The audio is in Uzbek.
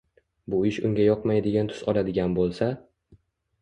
bu ish unga yoqmaydigan tus oladigan bo‘lsa